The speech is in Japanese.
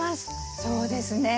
そうですね。